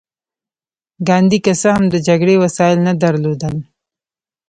ګاندي که څه هم د جګړې وسايل نه درلودل.